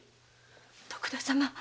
徳田様。